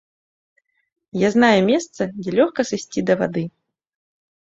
Я знаю месца, дзе лёгка сысці да вады.